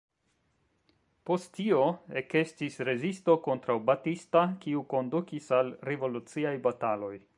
Post tio ekestis rezisto kontraŭ Batista, kiu kondukis al revoluciaj bataloj.